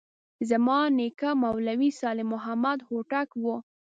زما نیکه مولوي صالح محمد هوتک و.